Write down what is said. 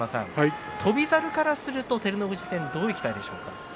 翔猿からすると照ノ富士戦どういきたいでしょうか。